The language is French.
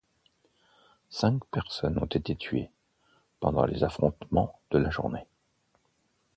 Cinq personnes ont été tuées pendant les affrontements de la journée.